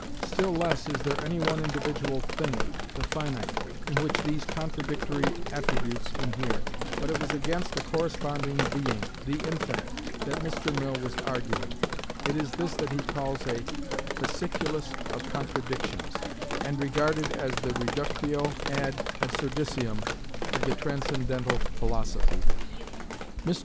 Still less is there any one individual thing, "The Finite," in which these contradictory attributes inhere. But it was against a corresponding being, "The Infinite," that Mr. Mill was arguing. It is this that he calls a "fasciculus of contradictions," and regarded as the reductio ad absurdissimum of the transcendental philosophy. Mr.